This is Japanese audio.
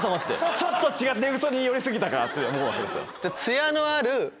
ちょっと寝癖に寄り過ぎたか！って思うわけですよ。